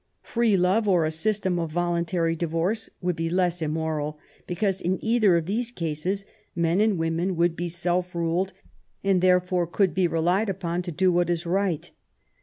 Free love, or a system of voluntary divorce, would be less immoral ; because in either of these cases men and women would be self ruled, and therefore could be relied upon to do* what is right.